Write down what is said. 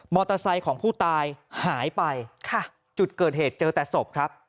ไซค์ของผู้ตายหายไปค่ะจุดเกิดเหตุเจอแต่ศพครับ